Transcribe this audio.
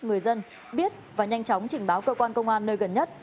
người dân biết và nhanh chóng trình báo cơ quan công an nơi gần nhất